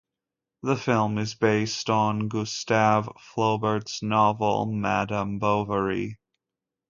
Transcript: The film is based on Gustave Flaubert's novel "Madame Bovary".